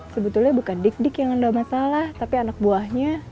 sebetulnya bukan dik dik yang anda masalah tapi anak buahnya